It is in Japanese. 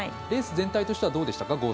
レース全体としてはどうでしたか？